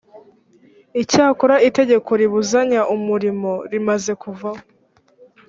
icyakora itegeko ribuzanya umurimo rimaze kuvaho